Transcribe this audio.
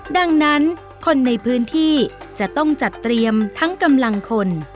ดังนั้นคนในพื้นที่จะต้องจัดเตรียมทั้งกำลังคน